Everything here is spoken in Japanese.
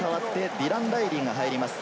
ディラン・ライリーの姿が映りました。